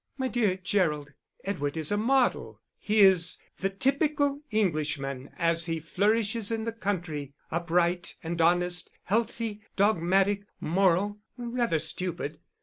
"My dear Gerald, Edward is a model; he is the typical Englishman as he flourishes in the country, upright and honest, healthy, dogmatic, moral rather stupid.